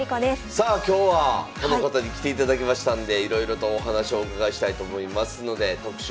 さあ今日はこの方に来ていただきましたんでいろいろとお話をお伺いしたいと思いますので特集まいりましょう。